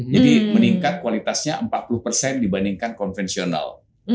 jadi meningkat kualitasnya empat puluh dibandingkan konvensional